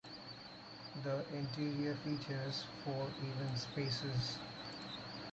The interior features four event spaces.